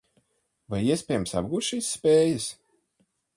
Vai iespējams apgūt šīs spējas?